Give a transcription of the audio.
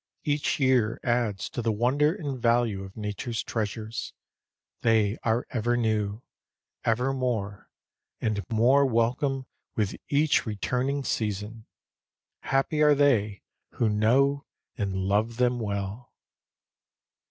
Each year adds to the wonder and value of Nature's treasures; they are ever new, ever more and more welcome with each returning season. Happy are they who know and love them well.